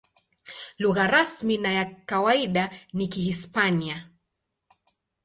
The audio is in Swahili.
Lugha rasmi na ya kawaida ni Kihispania.